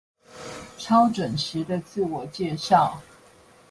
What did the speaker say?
超準時的自我介紹